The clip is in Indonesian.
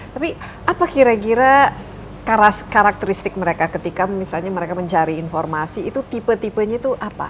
tapi apa kira kira karakteristik mereka ketika misalnya mereka mencari informasi itu tipe tipenya itu apa